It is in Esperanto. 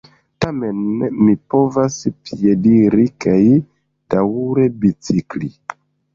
Tamen mi povas piediri kaj daŭre bicikli.